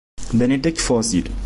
Benedikt vorsieht.